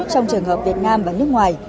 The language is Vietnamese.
trong trường hợp việt nam và nước ngoài